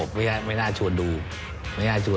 ก็คือคุณอันนบสิงต์โตทองนะครับ